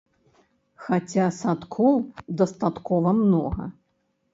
Хаця садкоў дастаткова многа.